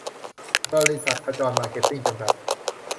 บริษัท พชร มาร์เก็ตติ้ง จำกัด